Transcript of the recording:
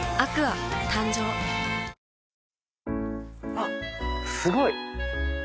あっすごい！